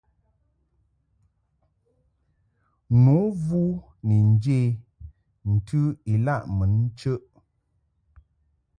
Nu vu ni nje ntɨ ilaʼ mun chəʼ.